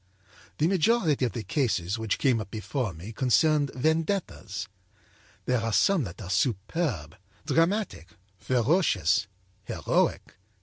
âThe majority of the cases which came up before me concerned vendettas. There are some that are superb, dramatic, ferocious, heroic.